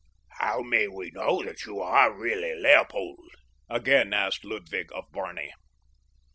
"How may we know that you are really Leopold?" again asked Ludwig of Barney.